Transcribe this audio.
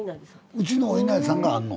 うちのおいなりさんがあんの？